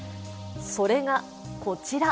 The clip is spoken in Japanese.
それがこちら。